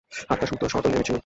আত্মা শুদ্ধ, সৎ ও নিরবচ্ছিন্ন।